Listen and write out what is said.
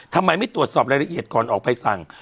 ทำไมไม่ตรวจสอบรายละเอียดก่อนออกใบสั่ง